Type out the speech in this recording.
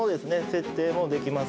設定もできます。